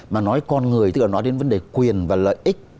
mà nói con người tức là nói đến vấn đề quyền và lợi ích